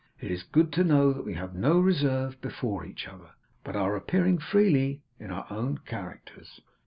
It is good to know that we have no reserve before each other, but are appearing freely in our own characters.